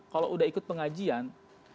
kalau sudah ikut pengajian